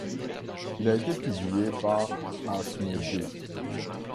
Il a été publié par Asmodée.